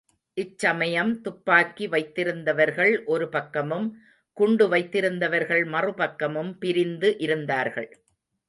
இச்சமயம் துப்பாக்கி வைத்திருந்தவர்கள் ஒரு பக்கமும், குண்டு வைத்திருந்தவர்கள் மறு பக்கமும் பிரிந்து இருந்தார்கள்.